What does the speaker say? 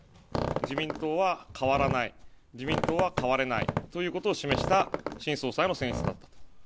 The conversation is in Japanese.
自民党は変わらない、自民党は変われないということを示した新総裁の選出だったと。